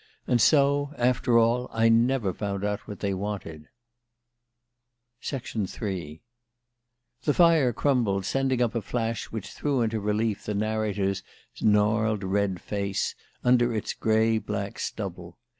And so, after all, I never found out what they wanted ..." III THE fire crumbled, sending up a flash which threw into relief the narrator's gnarled red face under its grey black stubble.